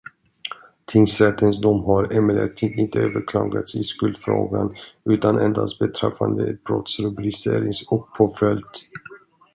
Tingsrättens dom har emellertid inte överklagats i skuldfrågan, utan endast beträffande brottsrubricering och påföljd.